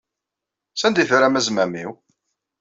Sanda ay terram azmam-inu?